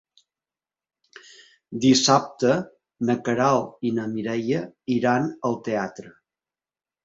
Dissabte na Queralt i na Mireia iran al teatre.